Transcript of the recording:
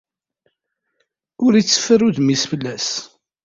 Ur itteffer udem-is fell-as.